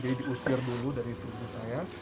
jadi diusir dulu dari tubuh saya